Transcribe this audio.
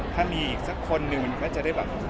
ถ้ามีอีกสักคนหนึ่งมันก็จะได้แบบ